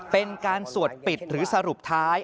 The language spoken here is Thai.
เป็นการสวดปิดหรือสรุปท้าย